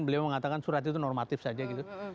beliau mengatakan surat itu normatif saja gitu